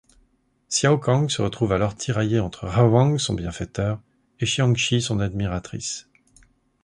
Hsiao-kang se retrouve alors tiraillé entre Rawang son bienfaiteur et Shiang-chyi son admiratrice.